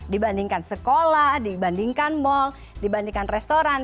dibandingkan sekolah dibandingkan mal dibandingkan restoran